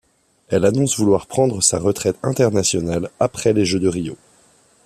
Elle annonce vouloir prendre sa retraite internationale après les Jeux de Rio.